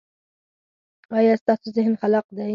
ایا ستاسو ذهن خلاق دی؟